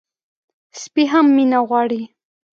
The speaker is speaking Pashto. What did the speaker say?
سپي هم مینه غواړي.